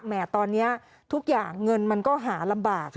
ตอนนี้ทุกอย่างเงินมันก็หาลำบาก